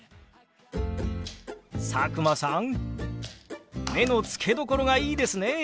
佐久間さん目の付けどころがいいですね！